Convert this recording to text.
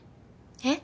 えっ？